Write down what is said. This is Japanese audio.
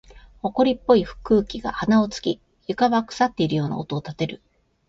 埃っぽい空気が鼻を突き、床は腐っているような音を立てる。